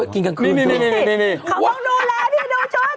เขาต้องดูแลพี่ดูชุด